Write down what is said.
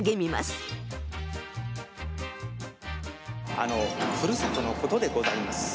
「あのふるさとのことでございます。